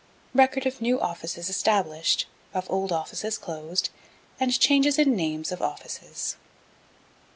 Record of new offices established, of old offices closed, and changes in names of offices.